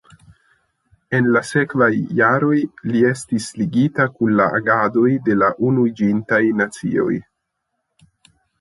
En la sekvaj jaroj li estis ligita kun la agadoj de la Unuiĝintaj Nacioj.